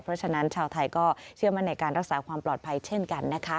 เพราะฉะนั้นชาวไทยก็เชื่อมั่นในการรักษาความปลอดภัยเช่นกันนะคะ